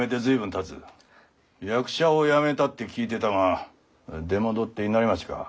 役者をやめたって聞いてたが出戻って稲荷町か。